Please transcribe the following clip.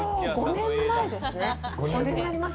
５年前ですね。